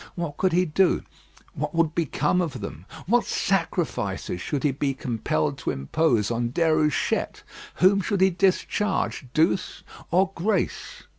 What could he do? What would become of them? What sacrifices should he be compelled to impose on Déruchette? Whom should he discharge Douce or Grace?